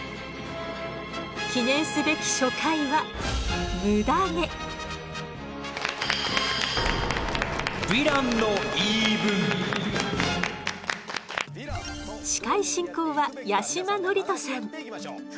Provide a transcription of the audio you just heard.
記念すべき初回は司会進行は八嶋智人さん。